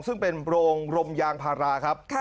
ซึ่งเป็นโรงรมยางพาราครับ